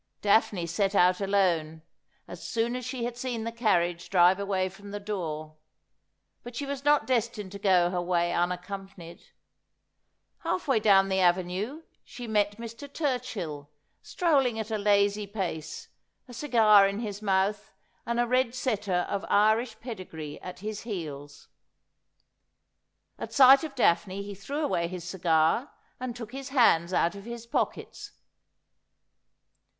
Daphne set out alone, as soon as she had seen the carriage drive away from the door ; but she was not destined to go her way unaccompanied. Half way down the avenue she met Mr. Turchill, strolling at a lazy pace, a cigar in his mouth, and a red setter of Irish pedigree at his heels. At sight of Daphne he threw away his cigar, and took his hands out of his pockets.